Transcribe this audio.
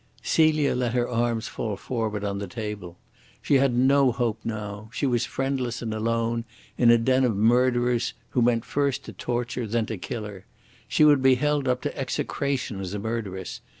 Celia let her arms fall forward on the table. She had no hope now. She was friendless and alone in a den of murderers, who meant first to torture, then to kill her. She would be held up to execration as a murderess.